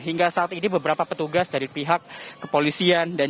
hingga saat ini beberapa petugas dari pihak kepolisian